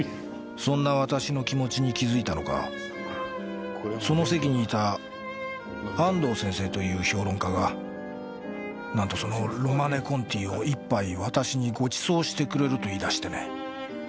そんな私の気持ちに気づいたのかその席にいた安藤先生という評論家が何とその「ロマネ・コンティ」を１杯私にご馳走してくれると言い出してね。